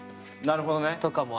なるほどね。